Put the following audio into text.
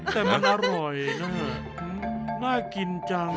แต่มันนางราวเหรอ